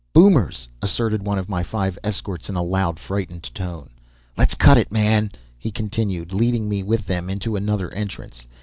"Boomers!" asserted one of my five escorts in a loud, frightened tone. "Let's cut, man!" he continued, leading me with them into another entrance.